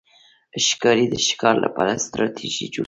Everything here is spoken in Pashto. ښکاري د ښکار لپاره ستراتېژي جوړوي.